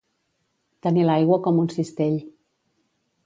Tenir l'aigua com un cistell.